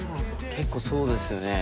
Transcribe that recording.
結構そうですよね。